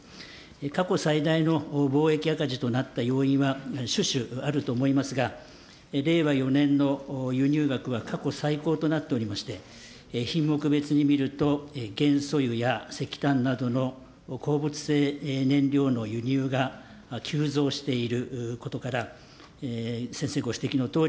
過去最大の貿易赤字となった要因は種々あると思いますが、令和４年の輸入額は過去最高となっておりまして、品目別に見ると、げんそゆや石炭などの鉱物性燃料の輸入が急増していることから、先生ご指摘のとおり、